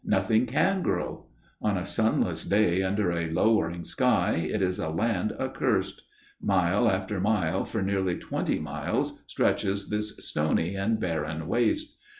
Nothing can grow. On a sunless day under a lowering sky it is a land accursed. Mile after mile for nearly twenty miles stretches this stony and barren waste.